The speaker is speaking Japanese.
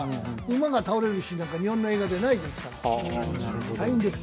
馬が倒れるシーンなんか、日本の映画でないですから、大変です。